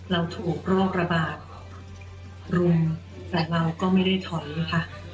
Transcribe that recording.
เราถูกโรคระบาดรุมแต่เราก็ไม่ได้ถอยนะคะ